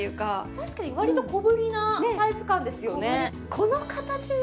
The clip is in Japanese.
確かにわりと小ぶりなサイズ感ですよね